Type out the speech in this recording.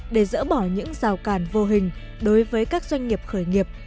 để dỡ bỏ những rào cản vô hình đối với các doanh nghiệp khởi nghiệp